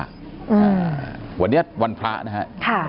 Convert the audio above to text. อ่าวันนี้วันพระนะฮะค่ะ